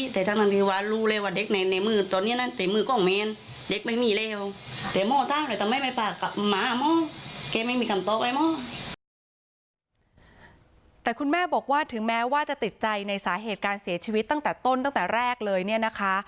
แต่คุณแม่บอกว่าถึงแม้ว่าจะติดใจในสาเหตุการเสียชีวิตตั้งแต่ต้นตั้งแต่แรกเลยเนี่ยนะคะ